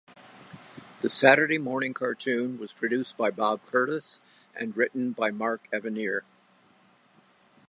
The Saturday morning cartoon was produced by Bob Curtis, and written by Mark Evanier.